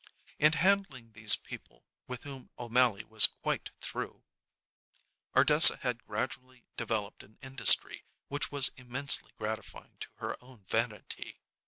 In handling these people with whom O'Mally was quite through, Ardessa had gradually developed an industry which was immensely gratifying to her own vanity.